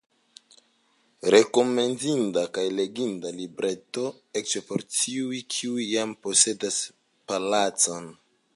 Rekomendinda kaj leginda libreto, eĉ por tiuj, kiuj jam posedas palacon!